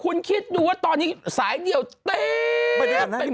คุณคิดดูว่าตอนนี้สายเดี่ยวเต็ม